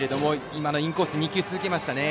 今のインコース２球続けましたね。